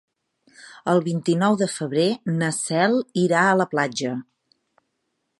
El vint-i-nou de febrer na Cel irà a la platja.